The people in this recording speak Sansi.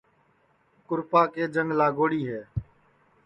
کُرپا کے جنگ لاگوڑی ہے